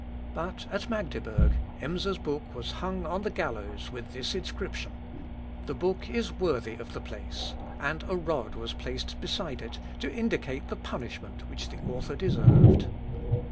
But at Magdeburg, Emser's book was hung on the gallows, with this inscription, "The book is worthy of the place;" and a rod was placed beside it, to indicate the punishment which the author deserved.